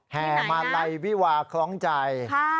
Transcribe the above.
แห่มาลัยวิวาคล้องใจ